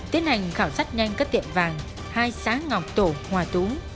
tiến hành khảo sát nhanh các tiệm vàng hai xã ngọc tổ hòa tú